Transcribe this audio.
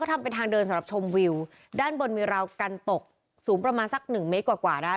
ทำเป็นทางเดินสำหรับชมวิวด้านบนมีราวกันตกสูงประมาณสักหนึ่งเมตรกว่ากว่าได้